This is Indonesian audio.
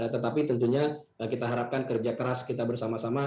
tetapi tentunya kita harapkan kerja keras kita bersama sama